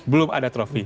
belum ada trofi